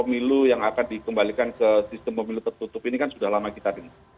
pemilu yang akan dikembalikan ke sistem pemilu tertutup ini kan sudah lama kita dengar